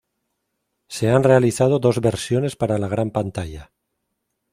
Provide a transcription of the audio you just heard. Se han realizado dos versiones para la gran pantalla.